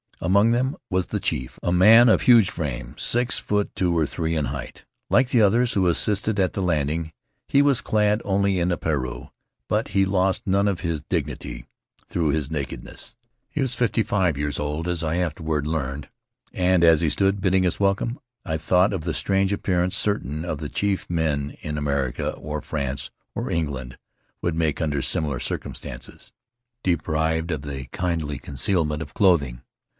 Among them was the chief, a man of huge frame, six feet two or three in height. Like the others who assisted at the landing, he was clad only in a pareu, but he lost none of his dignity through his nakedness. He was fiftv five Faery Lands of the South Seas years old, as I afterward learned, and as he stood bid ding us welcome I thought of the strange appearance certain of the chief men in America or France or England would make under similar circumstances, deprived of the kindly concealment of clothing.